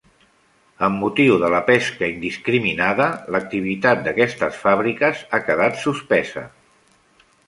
Amb motiu de la pesca indiscriminada, l'activitat d'aquestes fàbriques ha quedat suspesa.